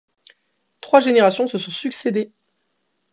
Trois générations se sont succédé.